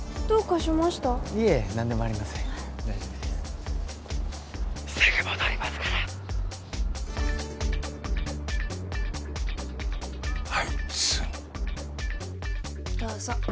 どうぞ。